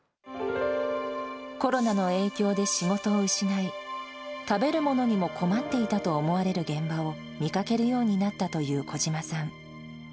コロナの影響で仕事を失い、食べるものにも困っていたと思われる現場を見かけるようになったという小島さん。